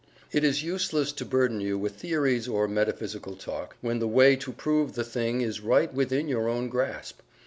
It is useless to burden you with theories or metaphysical talk, when the way to prove the thing is right within your own grasp.